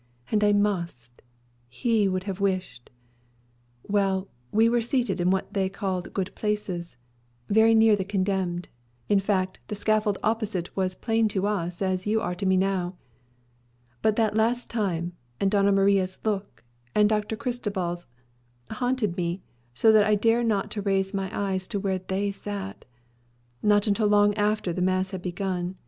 And I must. He would have wished Well, we were seated in what they called good places; very near the condemned; in fact, the scaffold opposite was plain to us as you are to me now. But that last time, and Doña Maria's look, and Dr. Cristobal's, haunted me, so that I did not dare to raise my eyes to where they sat; not until long after the mass had begun.